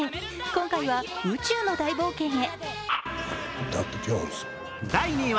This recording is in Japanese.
今回は宇宙の大冒険へ。